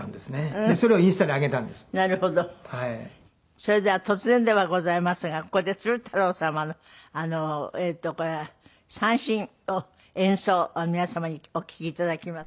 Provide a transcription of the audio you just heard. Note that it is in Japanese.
それでは突然ではございますがここで鶴太郎様のこれは三線を演奏皆様にお聴き頂きます。